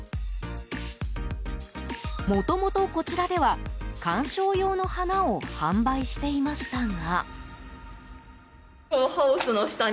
もともとこちらでは鑑賞用の花を販売していましたが。